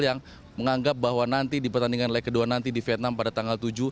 yang menganggap bahwa nanti di pertandingan leg kedua nanti di vietnam pada tanggal tujuh